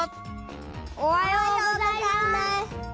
おはようございます。